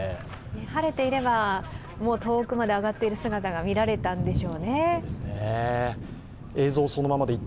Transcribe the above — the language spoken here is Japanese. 晴れていれば、遠くまで上がっている姿が見られたんでしょうね。